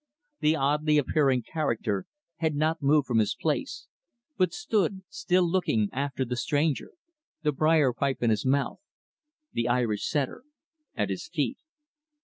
The oddly appearing character had not moved from his place, but stood, still looking after the stranger the brier pipe in his mouth, the Irish Setter at his feet.